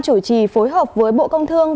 chủ trì phối hợp với bộ công thương